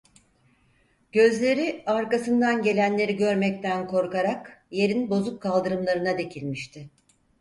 Gözleri, arkasından gelenleri görmekten korkarak, yerin bozuk kaldırımlarına dikilmişti.